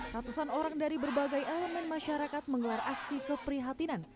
ratusan orang dari berbagai elemen masyarakat menggelar aksi keprihatinan